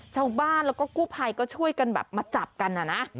ชาวบ้านแล้วก็กู้ภัยก็ช่วยกันแบบมาจับกันนะนะ